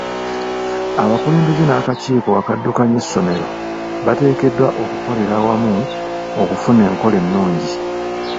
Abakulembeze n'akakiiko okaddukanya essomero bateekeddwa okukolera awamu okufuna enkola ennungi.